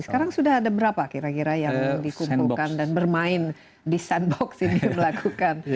sekarang sudah ada berapa kira kira yang dikumpulkan dan bermain di sandbox ini melakukan